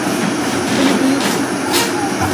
Bili-bili.